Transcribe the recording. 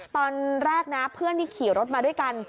ตอนแรกนะเพื่อนที่ขี่รถมาด้วยกัน